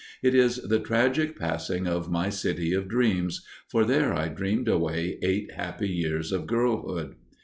It is the tragic passing of my city of dreams, for there I dreamed away eight happy years of girlhood.